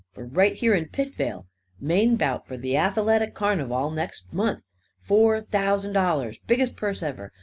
For right here in Pitvale. Main bout for the Athaletic Carn'val, next month. Four thousand dollars! Biggest purse ever!